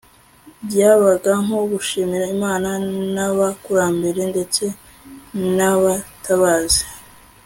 byabaga nko gushimira imana n'abakurambere ndetse n'abatabazi